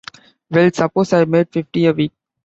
Well, suppose I made fifty a week.